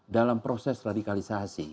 dalam proses radikalisasi